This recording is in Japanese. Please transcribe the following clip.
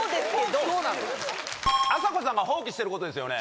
ピンポンあさこさんが放棄してることですよね。